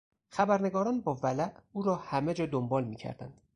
خبرنگاران با ولع او را همهجا دنبال میکردند.